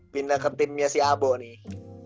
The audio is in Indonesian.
pindah ke timnya si abo nih